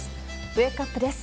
ウェークアップです。